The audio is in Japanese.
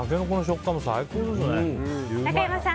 中山さん